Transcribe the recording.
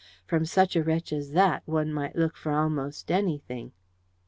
From such a wretch as that, one might look for almost anything!